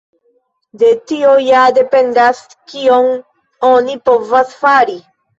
De tio ja dependas kion oni povas fari.